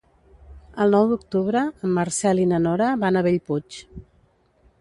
El nou d'octubre en Marcel i na Nora van a Bellpuig.